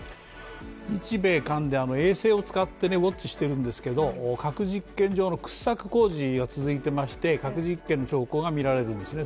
日米韓で衛星を使ってウオッチしてるんですけど、核実験場の掘削工事が続いていまして核実験の兆候が見られるんですね。